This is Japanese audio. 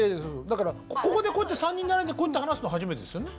だからここでこうやって３人並んでこうやって話すの初めてですよね。